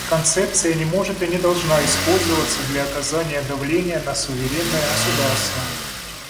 Концепция не может и не должна использоваться для оказания давления на суверенные государства.